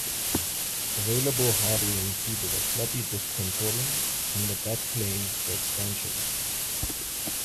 Available hardware included a floppy disk controller and a backplane for expansion.